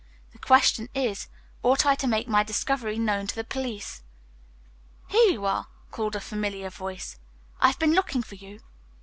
The question is, ought I to make my discovery known to the police?" "Here you are!" called a familiar voice, "I've been looking for you."